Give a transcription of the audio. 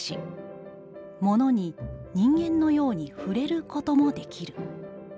「物に人間のように『ふれる』こともできる」。